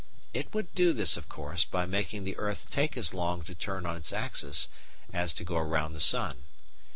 It would do this, of course, by making the earth take as long to turn on its axis as to go round the sun.